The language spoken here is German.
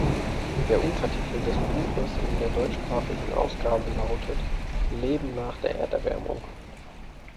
Der Untertitel des Buches in der deutschsprachigen Ausgabe lautet "Leben nach der Erderwärmung".